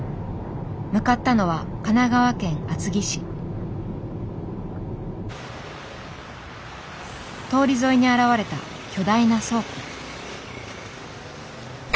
向かったのは通り沿いに現れた巨大な倉庫。